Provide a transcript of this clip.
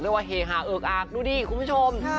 ว่าเฮฮาเอิกอากดูดิคุณผู้ชม